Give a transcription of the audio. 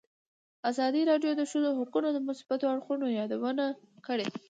ازادي راډیو د د ښځو حقونه د مثبتو اړخونو یادونه کړې.